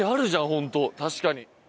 ホント確かに。